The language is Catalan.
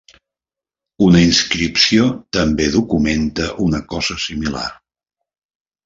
Una inscripció també documenta una cosa similar.